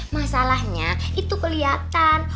masalahnya itu kelihatan